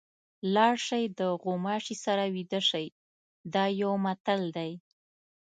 لاړ شئ د غوماشي سره ویده شئ دا یو متل دی.